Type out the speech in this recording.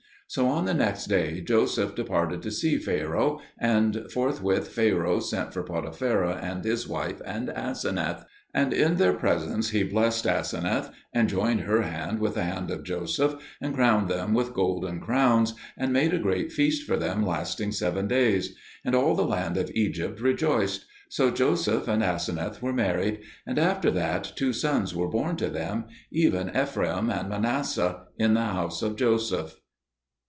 So on the next day Joseph departed to see Pharaoh, and forthwith Pharaoh sent for Potipherah and his wife and Aseneth; and in their presence he blessed Aseneth, and joined her hand with the hand of Joseph, and crowned them with golden crowns, and made a great feast for them lasting seven days; and all the land of Egypt rejoiced. So Joseph and Aseneth were married; and after that two sons were born to them, even Ephraim and Manasseh, in the house of Joseph.